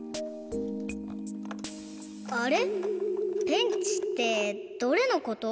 ペンチってどれのこと？